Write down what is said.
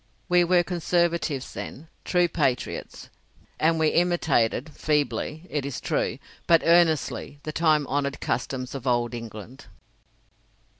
We were Conservatives then, true patriots, and we imitated feebly, it is true, but earnestly the time honoured customs of old England.